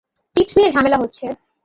Tips নিয়ে ঝামেলা হয়েছে।